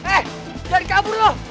eh jangan kabur lo